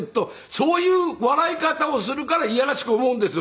そういう笑い方をするからいやらしく思うんですよ